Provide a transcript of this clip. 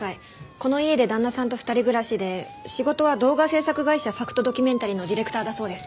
この家で旦那さんと２人暮らしで仕事は動画制作会社ファクトドキュメンタリーのディレクターだそうです。